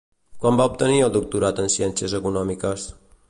Quan va obtenir el Doctorat en Ciències Econòmiques?